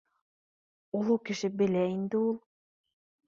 — Оло кеше белә инде ул